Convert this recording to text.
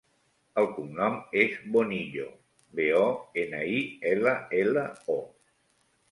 El cognom és Bonillo: be, o, ena, i, ela, ela, o.